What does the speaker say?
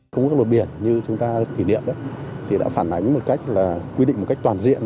công ước luật biển như chúng ta thỉ niệm đã phản ánh một cách là quy định một cách toàn diện